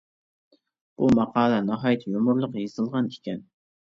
بۇ ماقالە ناھايىتى يۇمۇرلۇق يېزىلغان ئىكەن.